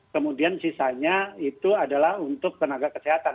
kemudian sisanya itu adalah untuk tenaga kesehatan